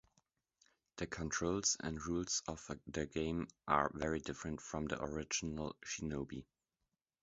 The controls and rules of the game are very different from the original "Shinobi".